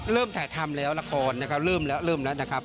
เริ่มถ่ายทำแล้วละครเริ่มแล้วนะครับ